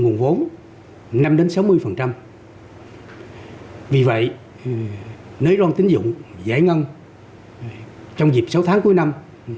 nguồn vốn năm sáu mươi vì vậy nới loan tín dụng giải ngân trong dịp sáu tháng cuối năm